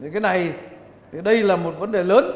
cái này đây là một vấn đề lớn